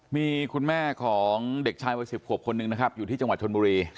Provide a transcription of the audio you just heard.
มีคุณแม่ของเด็กชายวัย๑๐ขวบคนหนึ่งนะครับอยู่ที่จังหวัดชนบุรี